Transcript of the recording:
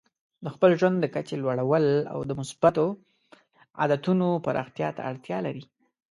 د خپل ژوند د کچې لوړول د مثبتو عادتونو پراختیا ته اړتیا لري.